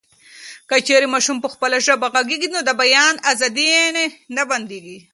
که چیري ماشوم په خپله ژبه غږېږي، د بیان ازادي یې نه بندېږي.